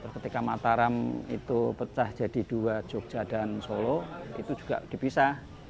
ketika mataram itu pecah jadi dua jogja dan solo itu juga dipisah